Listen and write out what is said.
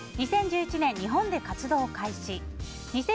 ２０１１年、日本で活動を開始。